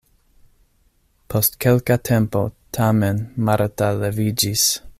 Post kelka tempo tamen Marta leviĝis.